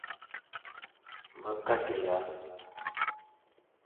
Me kateya.